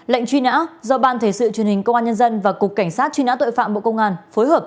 lệnh truy nã do ban thể sự truyền hình công an nhân dân và cục cảnh sát truy nã tội phạm bộ công an phối hợp